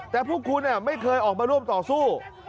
แต่พวกคุณไม่เคยออกมาร่วมต่อสู้